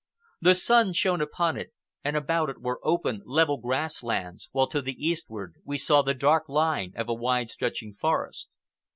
The sun shone upon it, and about it were open, level grass lands, while to the eastward we saw the dark line of a wide stretching forest.